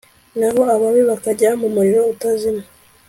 naho ababi bakajya mu muriro utazima